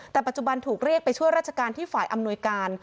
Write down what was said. แต่ปัจจุบันถูกเรียกไปช่วยราชการที่ฝ่ายอำนวยการ